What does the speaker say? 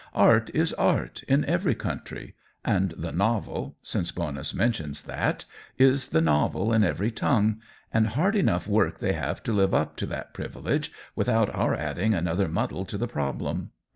Art is art in every country, and the novel (since Bonus men tions that) is the novel in every tongue, and hard enough work they have to live up to that privilege, without our adding another muddle to the problem.